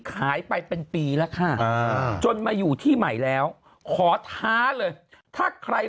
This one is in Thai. ขายไปเป็นปีแล้วค่ะจนมาอยู่ที่ใหม่แล้วขอท้าเลยถ้าใคร